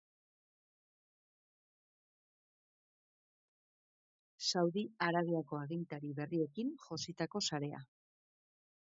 Saudi Arabiako agintari berriekin jositako sarea.